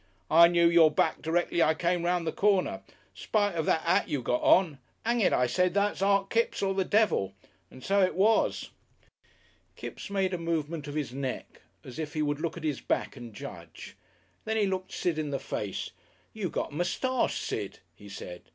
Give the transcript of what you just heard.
"I knew your back directly I came 'round the corner. Spite of that 'at you got on. Hang it, I said, that's Art Kipps or the devil. And so it was." Kipps made a movement of his neck as if he would look at his back and judge. Then he looked Sid in the face. "You got a moustache, Sid," he said.